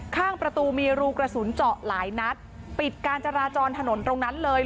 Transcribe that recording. ข้างประตูมีรูกระสุนเจาะหลายนัดปิดการจราจรถนนตรงนั้นเลย